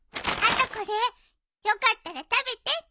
あとこれよかったら食べて。